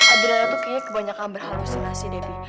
adriana tuh kayaknya kebanyakan berhalusinasi debbie